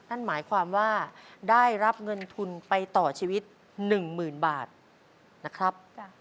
นั่นหมายความว่าได้รับเงินทุนไปต่อชีวิต๑๐๐๐บาทนะครับ